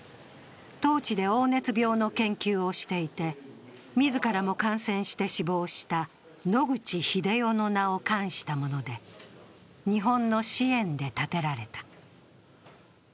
当地で黄熱病の研究をしていて自らも感染して死亡した野口英世の名を冠したもので日本の支援で建てられた。